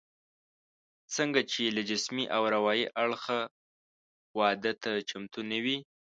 ځکه چې له جسمي او اروايي اړخه واده ته چمتو نه وي